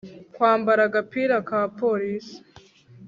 Kwambara agapira ka polisi